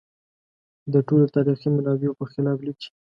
د ټولو تاریخي منابعو په خلاف لیکي.